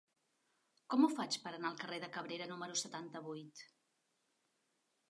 Com ho faig per anar al carrer de Cabrera número setanta-vuit?